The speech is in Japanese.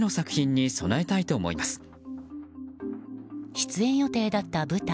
出演予定だった舞台